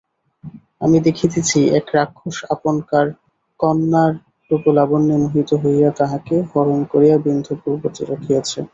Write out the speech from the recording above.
আমি দেখিতেছি এক রাক্ষস আপনকার কন্যার রূপলাবণ্যে মোহিত হইয়া তাহাকে হরণ করিয়া বিন্ধ্যপর্বতে রাখিয়াছে।